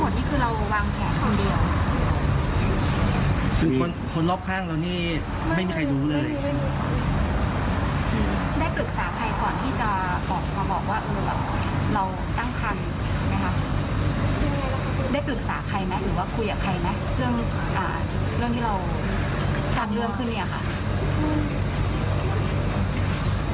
ว่าคุยกับใครนะเรื่องที่เรากันเรื่องขึ้นนี่ค่ะ